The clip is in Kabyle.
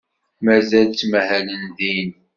Mazal ttmahalen din?